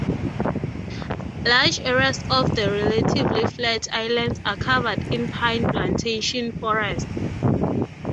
Large areas of the relatively flat islands are covered in pine plantation forest.